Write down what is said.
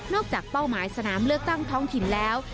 เป้าหมายสนามเลือกตั้งท้องถิ่นแล้ว